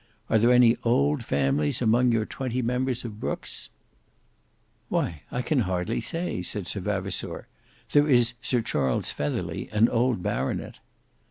Are there any old families among your twenty members of Brookes'?" "Why I can hardly say," said Sir Vavasour; "there is Sir Charles Featherly, an old baronet."